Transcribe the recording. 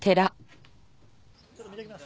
ちょっと見てきます。